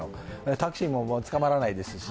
タクシーもつかまらないですし。